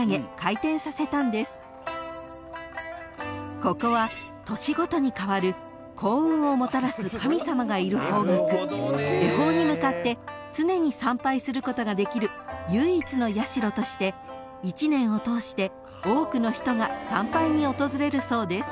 ［ここは年ごとに変わる幸運をもたらす神様がいる方角恵方に向かって常に参拝することができる唯一の社として一年を通して多くの人が参拝に訪れるそうです］